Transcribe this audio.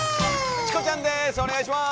チコちゃんです